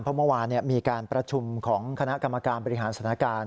เพราะเมื่อวานมีการประชุมของคณะกรรมการบริหารสถานการณ์